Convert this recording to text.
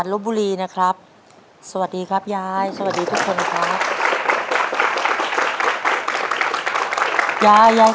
ขอต้อนรับพบครัวของคุณยายส